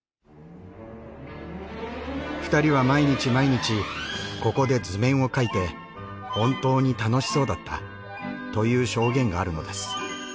２人は毎日毎日ここで図面を描いて本当に楽しそうだったという証言があるのです。